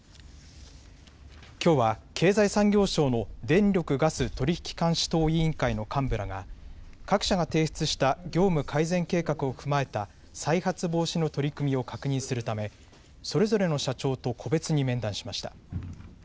きょうは経済産業省の電力・ガス取引監視等委員会の幹部らが各社が提出した業務改善計画を踏まえた再発防止の取り組みを確認するためそれぞれの社長と個別に面談しました。